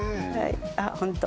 あっホント。